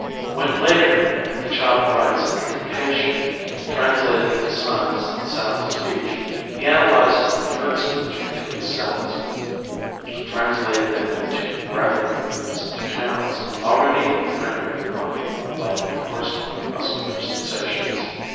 When later the child writes under dictation, translating into signs the sounds of speech, he analyses the heard speech into its sounds, translating them into graphic move ments through channels already rendered permeable by the corresponding muscular sensations.